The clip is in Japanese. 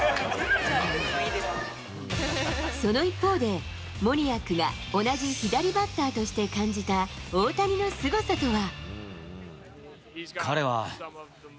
その一方でモニアックが同じ左バッターとして感じた大谷のすごさとは？